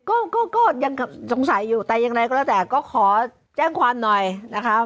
ก็ก็ยังสงสัยอยู่แต่ยังไงก็แล้วแต่ก็ขอแจ้งความหน่อยนะคะ